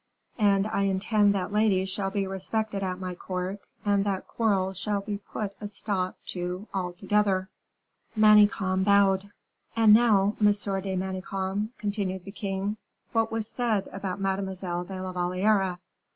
And I intend that ladies shall be respected at my court, and that quarrels shall be put a stop to altogether." Manicamp bowed. "And now, Monsieur de Manicamp," continued the king, "what was said about Mademoiselle de la Valliere?"